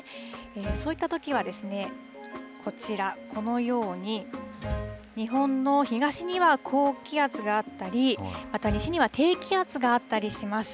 そういったときはですねこちら、このように日本の東には高気圧があったりまた西には低気圧があったりします。